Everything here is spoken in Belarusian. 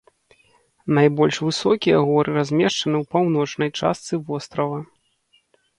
Найбольш высокія горы размешчаны ў паўночнай частцы вострава.